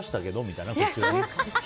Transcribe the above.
みたいな。